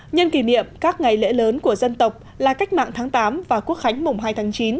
nhân kỷ niệm các ngày lễ lớn của dân tộc là cách mạng tháng tám và quốc khánh mùng hai tháng chín